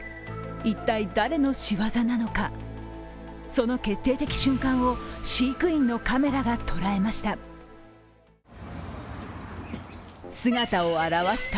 一体、誰の仕業なのかその決定的瞬間を飼育員のカメラが捉えました。